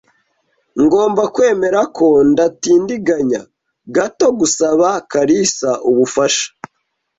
Ngomba kwemerako Ndatindiganya gato gusaba kalisa ubufasha.